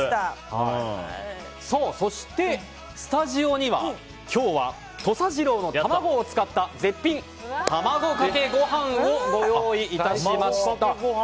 そして、スタジオには今日は土佐ジローの卵を使った絶品卵かけご飯をご用意致しました。